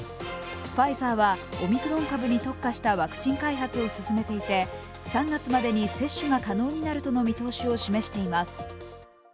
ファイザーはオミクロン株に特化したワクチン開発を進めていて、３月までに接種が可能になるとの見通しを示しています。